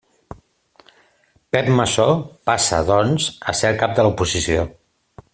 Pep Masó passa, doncs, a ser el cap de l'oposició.